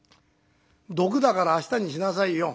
「毒だから明日にしなさいよ。